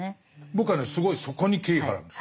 僕はねすごいそこに敬意を払うんです。